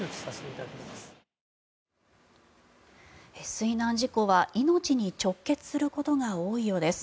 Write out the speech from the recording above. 水難事故は命に直結することが多いようです。